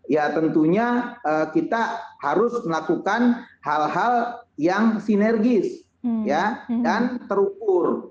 ya tentunya kita harus melakukan hal hal yang sinergis dan terukur